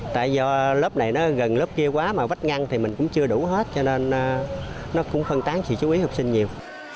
tại do lớp này nó gần lớp kia quá mà vách ngăn thì mình cũng chưa đủ hết cho nên nó cũng phân tán sự chú ý học sinh nhiều